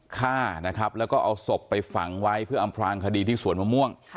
ฆ่านะครับแล้วก็เอาศพไปฝังไว้เพื่ออำพลางคดีที่สวนมะม่วง